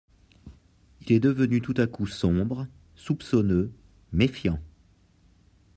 Il est devenu tout à coup sombre, soupçonneux, méfiant.